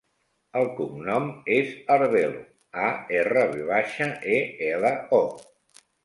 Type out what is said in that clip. El cognom és Arvelo: a, erra, ve baixa, e, ela, o.